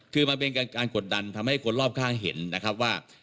คือมันเป็นการกดดันทำให้คนรอบข้างเห็นนะครับว่า